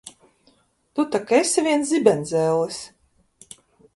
Tu tak esi viens zibenzellis!